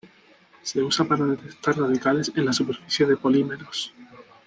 Se usa para detectar radicales en la superficie de polímeros.